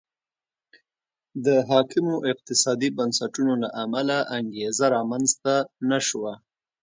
د حاکمو اقتصادي بنسټونو له امله انګېزه رامنځته نه شوه.